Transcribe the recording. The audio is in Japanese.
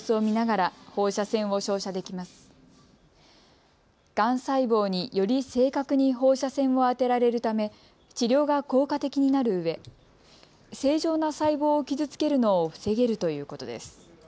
がん細胞に、より正確に放射線を当てられるため治療が効果的になるうえ正常な細胞を傷つけるのを防げるということです。